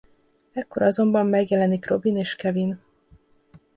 Ekkor azonban megjelenik Robin és Kevin.